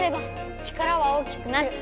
力は大きくなる！